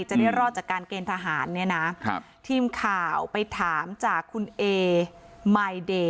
จะได้รอดจากการเกณฑ์ทหารเนี่ยนะครับทีมข่าวไปถามจากคุณเอมายเดย์